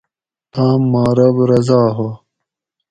تام ما رب رضا ھو